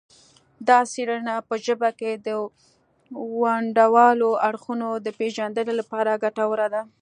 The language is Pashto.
دا څیړنه په ژبه کې د ونډوالو اړخونو د پیژندنې لپاره ګټوره ده